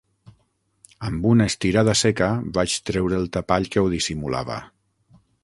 Amb una estirada seca vaig treure el tapall que ho dissimulava.